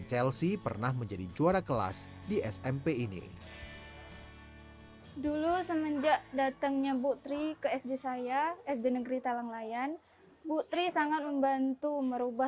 selamat pagi atta